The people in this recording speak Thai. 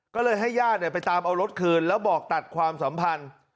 ก็เลยให้ญาติไปตามเอารถคืนแล้วบอกตัดความสัมพันธ์